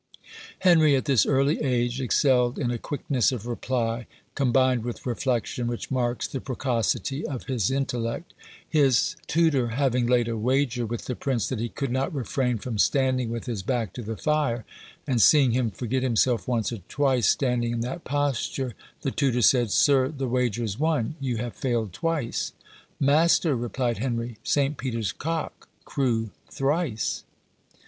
Henry, at this early age, excelled in a quickness of reply, combined with reflection, which marks the precocity of his intellect. His tutor having laid a wager with the prince that he could not refrain from standing with his back to the fire, and seeing him forget himself once or twice, standing in that posture, the tutor said, "Sir, the wager is won, you have failed twice." "Master," replied Henry, "Saint Peter's cock crew thrice."